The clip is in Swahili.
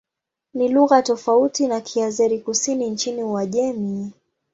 Ni lugha tofauti na Kiazeri-Kusini nchini Uajemi.